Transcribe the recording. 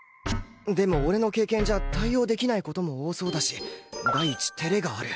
でも俺の経験じゃ対応できない事も多そうだし第一照れがある